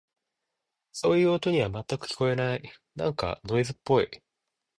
そういう音には、全く聞こえない。なんかノイズっぽい。